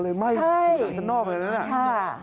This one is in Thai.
มันเลยอยากจะนอกไปเลยล่ะ